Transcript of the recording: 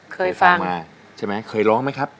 เคยฟังมาใช่ไหมเคยร้องไหมครับ